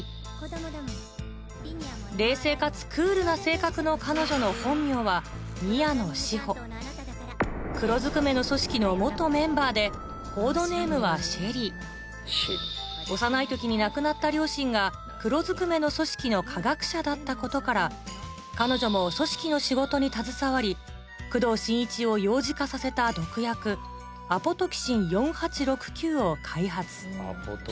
冷静かつクールな性格の彼女の黒ずくめの組織の元メンバーでコードネームは「シェリー」幼い時に亡くなった両親が黒ずくめの組織の科学者だったことから彼女も組織の仕事に携わり工藤新一を幼児化させた毒薬ＡＰＴＸ４８６９を開発